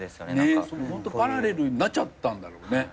ホントパラレルになっちゃったんだろうね。